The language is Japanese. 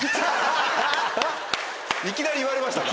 いきなり言われましたか？